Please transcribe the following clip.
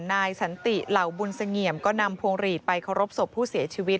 นายสันติเหล่าบุญเสงี่ยมก็นำพวงหลีดไปเคารพศพผู้เสียชีวิต